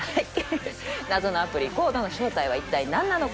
謎のアプリ「ＣＯＤＥ」の正体は一体何なのか。